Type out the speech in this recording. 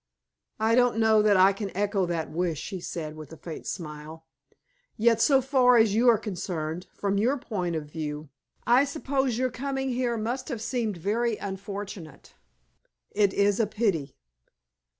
"I don't know that I can echo that wish," he said, with a faint smile. "Yet so far as you are concerned, from your point of view, I suppose your coming here must have seemed very unfortunate. It is a pity."